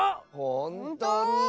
ほんとに？